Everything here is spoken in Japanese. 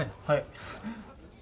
はい。